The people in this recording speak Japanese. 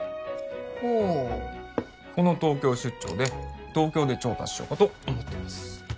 ほうこの東京出張で東京で調達しようかと思ってます